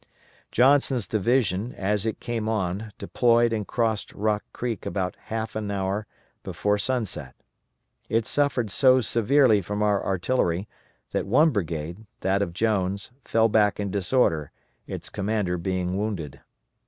Johnson's division, as it came on, deployed and crossed Rock Creek about half and hour before sunset. It suffered so severely from our artillery, that one brigade, that of Jones, fell back in disorder, its commander being wounded.